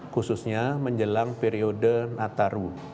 khususnya menjelang periode natal tahun baru